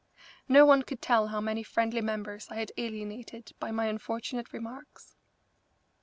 No one could tell how many friendly members I had alienated by my unfortunate remarks.